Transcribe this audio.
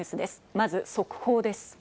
まず速報です。